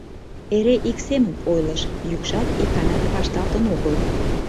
Эре ик семын ойлыш, йӱкшат иканат вашталтын огыл.